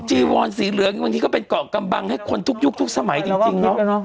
จีวอนสีเหลืองบางทีก็เป็นกล่องกำบังให้คนทุกยุคทุกสมัยจริงจริงเนอะแล้วก็คิดแล้วเนอะ